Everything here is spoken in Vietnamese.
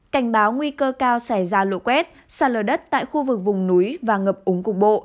cảnh báo nguy cơ cao xảy ra lộ quét xả lờ đất tại khu vực vùng núi và ngập ống cục bộ